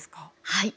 はい。